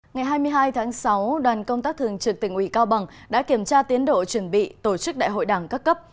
ngày hai mươi hai tháng sáu đoàn công tác thường trực tỉnh ủy cao bằng đã kiểm tra tiến độ chuẩn bị tổ chức đại hội đảng các cấp